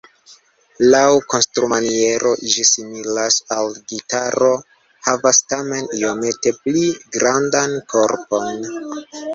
Laŭ konstrumaniero ĝi similas al gitaro, havas tamen iomete pli grandan korpon.